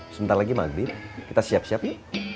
sebentar lagi maghrib kita siap siap yuk